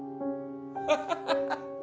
ハハハハ！